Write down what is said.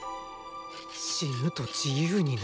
死ぬと自由になれる？